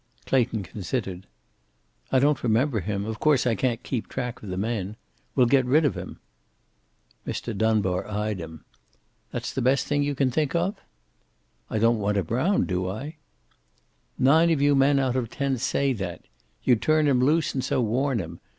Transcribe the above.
Clayton considered. "I don't remember him. Of course, I can't keep track of the men. We'll get rid of him." Mr. Dunbar eyed him. "That's the best thing you can think of?" "I don't want him round, do I?" "Nine of you men out of ten say that. You'd turn him loose and so warn him.